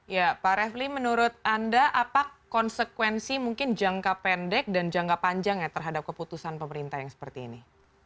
ya pak refli menurut anda apa konsekuensi mungkin jangka pendek dan jangka panjang ya terhadap keputusan pemerintah yang seperti ini